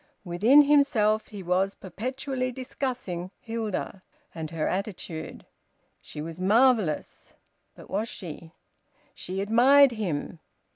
Within himself he was perpetually discussing Hilda, and her attitude. She was marvellous! But was she? She admired him!